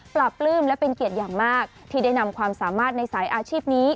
ปลื้มและเป็นเกียรติอย่างมากที่ได้นำความสามารถในสายอาชีพนี้